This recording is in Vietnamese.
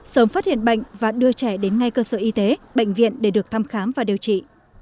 sớm phát hiện bệnh và đưa trẻ đến ngay cơ sở y tế bệnh viện để được thăm khám và điều trị